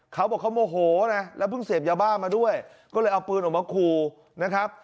เขาบอกเขาโมโหนะแล้วเพิ่งเสพยาบ้ามาด้วยก็เลยเอาปืนออกมาขู่นะครับ